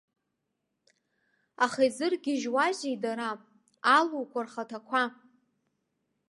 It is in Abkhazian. Аха изыргьежьуазеи дара, алуқәа рхаҭақәа?